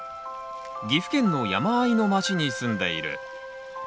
岐阜県の山あいの町に住んでいる。